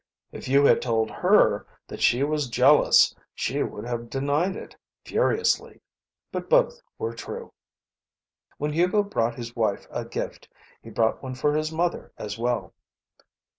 If you had told her that she was jealous she would have denied it, furiously. But both were true. When Hugo brought his wife a gift he brought one for his mother as well.